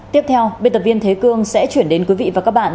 tiếp theo biên tập viên thế cương sẽ chuyển đến quý vị và các bạn